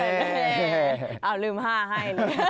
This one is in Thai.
อ้าวลืม๕ให้เลย